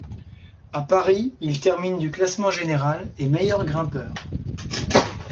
A Paris, il termine du classement général et meilleur grimpeur.